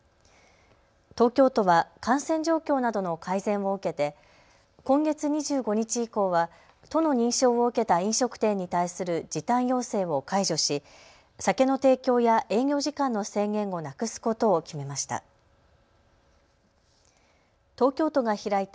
東京都は感染状況などの改善を受けて今月２５日以降は都の認証を受けた飲食店に対する時短要請を解除し酒の提供や営業時間の制限をなくすことを決めました。